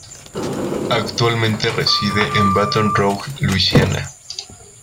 Actualmente reside en Baton Rouge, Luisiana.